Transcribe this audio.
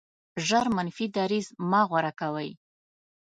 ژر منفي دریځ مه غوره کوئ.